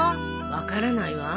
分からないわ。